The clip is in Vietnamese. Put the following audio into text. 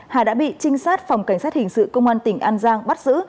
hà đã bị trinh sát phòng cảnh sát hình sự công an tỉnh an giang bắt giữ